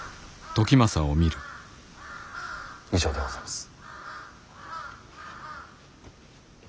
以上でございます。